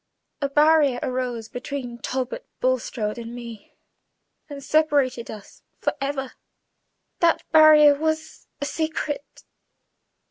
A barrier arose between Talbot Bulstrode and me, and separated us for ever. That barrier was a secret."